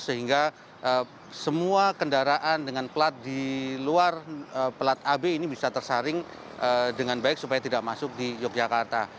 sehingga semua kendaraan dengan plat di luar pelat ab ini bisa tersaring dengan baik supaya tidak masuk di yogyakarta